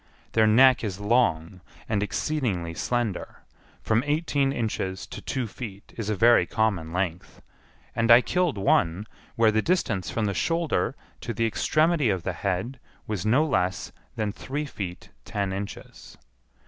Their neck is long, and exceedingly slender, from eighteen inches to two feet is a very common length, and I killed one, where the distance from the shoulder to the extremity of the head was no less than three feet ten inches.